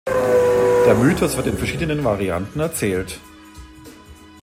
Der Mythos wird in verschiedenen Varianten erzählt.